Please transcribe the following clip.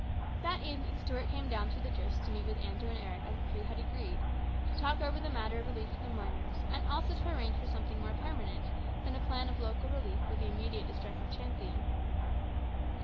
That afternoon Stuart came down through the drifts to meet with Andrew and Eric as the three had agreed, to talk over the matter of relief for the miners, and also to arrange for something more permanent than a plan of local relief for the immediate distress of Champion.